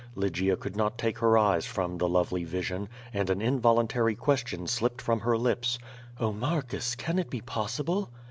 Lygia could not take her eyes from the lovely vision, and an involuntary question slipped from her lips: "0 Marcus, can it be possible?'